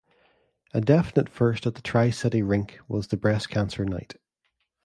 A definite first at the Tri-City rink was the Breast Cancer night.